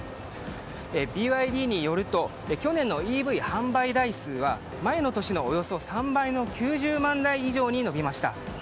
ＢＹＤによると去年のＥＶ販売台数は前の年のおよそ３倍の９０万台以上に伸びました。